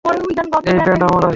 এই ব্যান্ড আমারই।